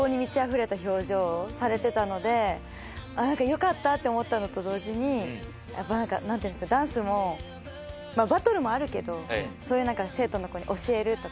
よかったって思ったのと同時に何ていうんですかダンスもバトルもあるけど生徒の子に教えるとか。